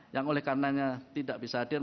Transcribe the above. yang oleh karenanya tidak bisa hadir